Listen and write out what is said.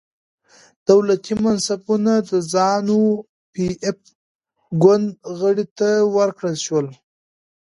دولتي منصبونه د زانو پي ایف ګوند غړو ته ورکړل شول.